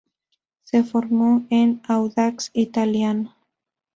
Se formó en Audax Italiano.